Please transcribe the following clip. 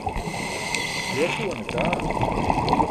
Śuwa phuwan eta.